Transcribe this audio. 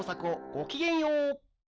ごきげんよう！